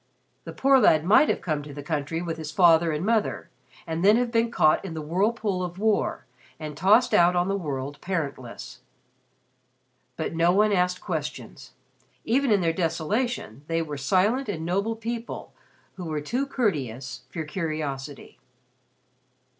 The poor lad might have come to the country with his father and mother and then have been caught in the whirlpool of war and tossed out on the world parent less. But no one asked questions. Even in their desolation they were silent and noble people who were too courteous for curiosity.